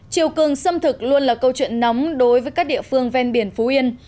chiều cường xâm thực luôn là câu chuyện nóng đối với các địa phương ven biển phú yên